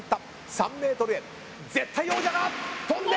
３ｍへ絶対王者が跳んで。